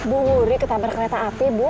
bu huri ketabrak kereta api bu